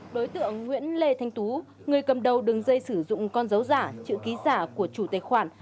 đối tượng nguyễn lê thanh tú người cầm đầu đường dây sử dụng con dấu giả chữ ký giả của chủ tài khoản